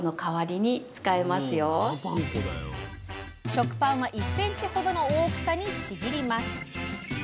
食パンは１ｃｍほどの大きさにちぎります。